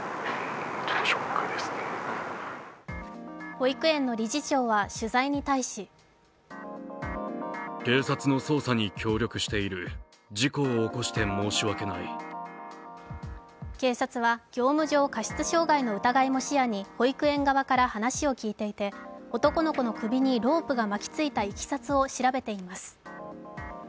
保育園の理事長は取材に対し警察は業務上過失傷害の疑いも視野に保育園側から話を聞いていて男の子の首にロープが巻きついたいきさつを調べています。